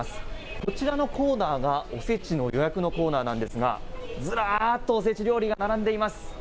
こちらのコーナーがおせちの予約のコーナーなんですが、ずらーっとおせち料理が並んでいます。